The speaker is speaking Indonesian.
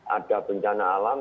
ada bencana alam